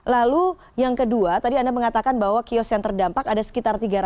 lalu yang kedua tadi anda mengatakan bahwa kios yang terdampak ada sekitar tiga ratus